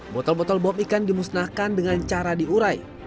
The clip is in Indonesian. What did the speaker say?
botol botol bom ikan dimusnahkan dengan cara diurai